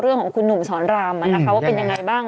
เรื่องของคุณหนุ่มสอนรามว่าเป็นยังไงบ้าง